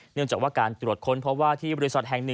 เนื่องจากว่าการตรวจค้นเพราะว่าที่บริษัทแห่ง๑